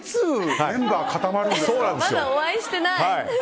まだお会いしてない。